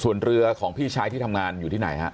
ส่วนเรือของพี่ชายที่ทำงานอยู่ที่ไหนฮะ